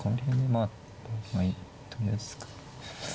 まあとりあえず突く。